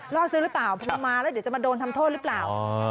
ล่อซื้อหรือเปล่าพอมาแล้วเดี๋ยวจะมาโดนทำโทษหรือเปล่า